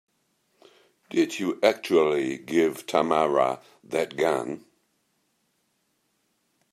Did you actually give Tamara that gun?